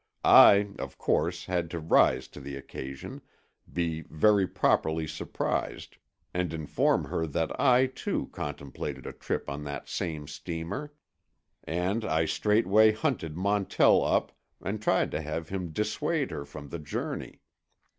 I, of course had to rise to the occasion, be very properly surprised and inform her that I, too, contemplated a trip on that same steamer. And I straightway hunted Montell up and tried to have him dissuade her from the journey.